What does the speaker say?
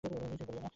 কিছুই বলিয়ো না।